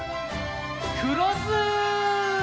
くろず！